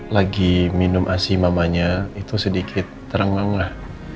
lagi minum asih mamanya itu sedikit terengah engah